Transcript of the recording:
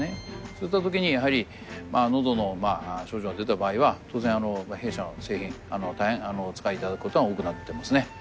そういった時にやはりのどの症状が出た場合は当然弊社の製品大変お使い頂く事が多くなってますね。